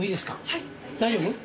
はい大丈夫です。